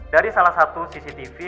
dari salah satu cctv